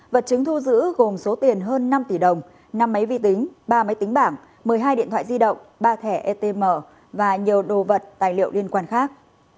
vật chứng thu giữ gồm số tiền hơn năm tỷ đồng năm máy vi tính ba máy tính bảng một mươi hai điện thoại di động ba thẻ etm và nhiều đồ vật tài liệu liên quan khác